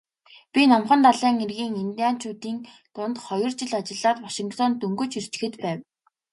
Би Номхон далайн эргийн индианчуудын дунд хоёр жил ажиллаад Вашингтонд дөнгөж ирчхээд байв.